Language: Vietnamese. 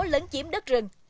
lấn chiếm đất rừng